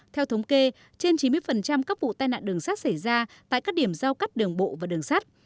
theo thống kê trên chín mươi các vụ tai nạn đường sắt xảy ra tại các điểm giao cắt đường bộ và đường sắt